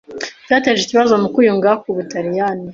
byateje ikibazo mu kwiyunga k’u Butaliyani